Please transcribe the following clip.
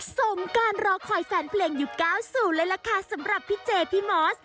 สมการรอคอยแฟนเพลงอยู่๙๐เลยล่ะค่ะสำหรับพี่เจพี่มอส